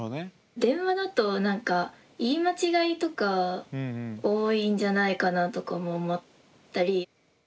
電話だとなんか言い間違いとか多いんじゃないかなとかも思ったり。